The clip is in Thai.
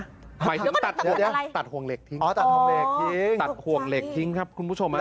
หมายถึงตัดห่วงเหล็กทิ้งตัดห่วงเหล็กทิ้งครับคุณผู้ชม